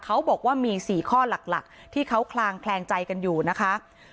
เขาบอกว่ามี๔ข้อหลักที่เขาคลางแคลงใจกันอยู่นะคะ